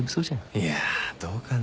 いやどうかな。